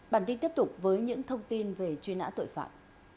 bản tin tiếp tục với những thông tin về truy nã tội phạm